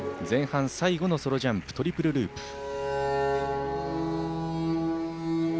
前半最後のソロジャンプトリプルループ。